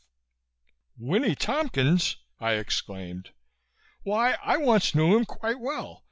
"Winnie Tompkins!" I exclaimed. "Why I once knew him quite well.